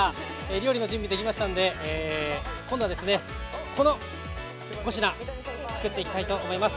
料理の準備ができましたので今度は、この５品作っていきたいと思います。